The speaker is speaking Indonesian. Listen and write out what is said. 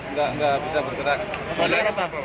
nggak bisa bergerak